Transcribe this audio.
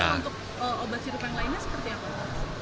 untuk obat sirup yang lainnya seperti apa